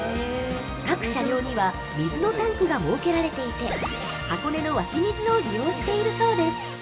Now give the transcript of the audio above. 各車両には水のタンクが設けられていて箱根の湧き水を利用しているそうです。